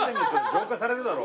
浄化されるだろ。